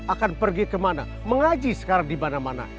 akan pergi kemana mengaji sekarang di mana mana